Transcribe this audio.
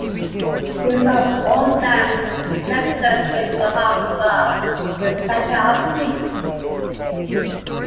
These were oil lamps with reflectors which were hung above the center of streets.